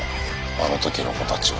あの時の子たちは。